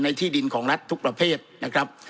ที่ดินของรัฐทุกประเภทนะครับ